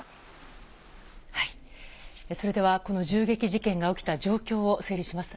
それではこの銃撃事件が起きた状況を整理します。